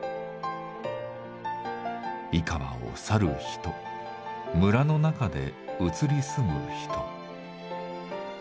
井川を去る人村の中で移り住む人。